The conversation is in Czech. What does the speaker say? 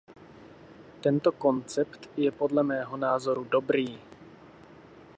Tento koncept je podle mého názoru dobrý.